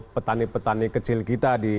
petani petani kecil kita di